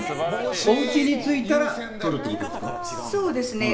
おうちに着いたら取るってことですか。